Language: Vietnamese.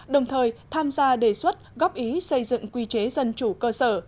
đồng thời tham gia đề xuất góp ý xây dựng quy chế dân chủ cơ sở